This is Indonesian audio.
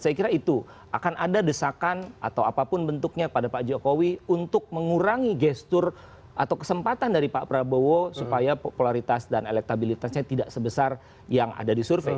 saya kira itu akan ada desakan atau apapun bentuknya pada pak jokowi untuk mengurangi gestur atau kesempatan dari pak prabowo supaya popularitas dan elektabilitasnya tidak sebesar yang ada di survei